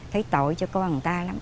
thấy tội cho con